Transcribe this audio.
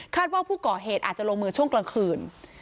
ว่าผู้ก่อเหตุอาจจะลงมือช่วงกลางคืน